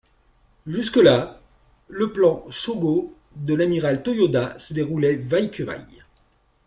Jusque-là, le Plan Sho-Go de l'amiral Toyoda se déroulait, vaille que vaille.